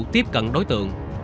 tiếp cận đối tượng